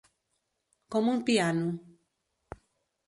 Com un piano.